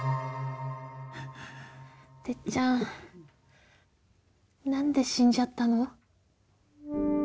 てっちゃん何で死んじゃったの？